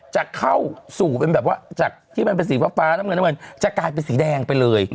จะเข้าสู่เป็นแบบว่าจากที่มันเป็นสีฟ้าน้ำเงินน้ำเงินจะกลายเป็นสีแดงไปเลย